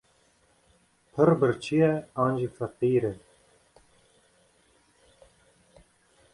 Pir birçî ye an jî feqîr e.